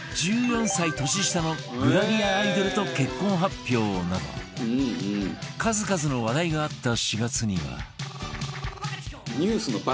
１４歳年下のグラビアアイドルと結婚発表など数々の話題があった４月には